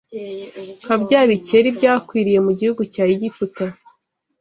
nka bya bikeri byakwiriye mu gihugu cya Egiputa,